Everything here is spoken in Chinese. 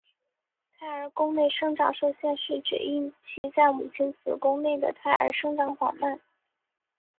胎儿宫内生长受限是指孕期在母亲子宫内的胎儿生长缓慢。